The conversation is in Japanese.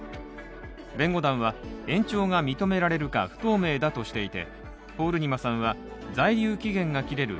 弁護団は、延長が認められるか不透明だとしていてポールニマさんは在留期限が切れる